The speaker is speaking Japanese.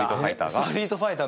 「ストリートファイター」